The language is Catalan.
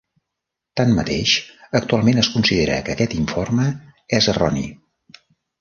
Tanmateix, actualment es considera que aquest informe és erroni.